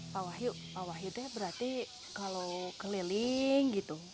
pak wahyu pak wahyu itu berarti kalau keliling gitu